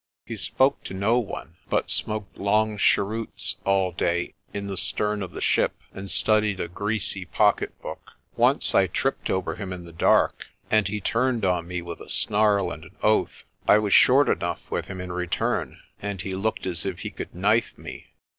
He spoke to no one, but smoked long cheroots all day in the stern of the ship, and studied a greasy pocket book. Once I tripped over him in the dark, and he turned on me with a snarl and an oath. I was short enough with him in return, and he looked as if he could knife me.